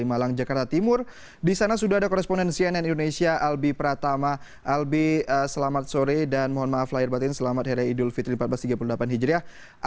selamat sore rian selamat merayakan hari raya idul fitri seribu empat ratus tiga puluh delapan hijriah